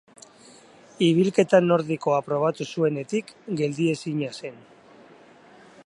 Ibilketa nordikoa probatu zuenetik, geldiezina zen.